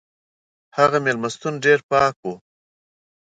هغه مېلمستون ډېر پاک و.